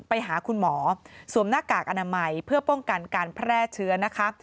ไปหาคุณหมอสวมหน้ากากอนามัยเพื่อป้องกันการแพร่เชื้อนะคะ